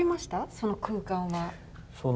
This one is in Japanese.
その空間は？